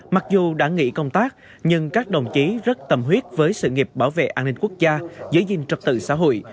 mặc dù đã nghỉ công tác nhưng các đồng chí rất tầm huyết với sự nghiệp bảo vệ an ninh quốc gia giới dinh trật tự xã hội